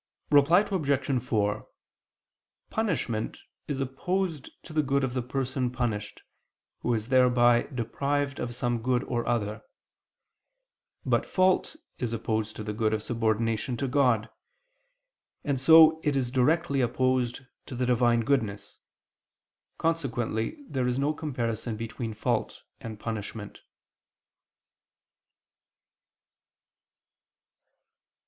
Reply Obj. 4: Punishment is opposed to the good of the person punished, who is thereby deprived of some good or other: but fault is opposed to the good of subordination to God; and so it is directly opposed to the Divine goodness; consequently there is no comparison between fault and punishment.